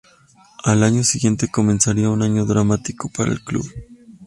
Al año siguiente comenzaría un año dramático para el club.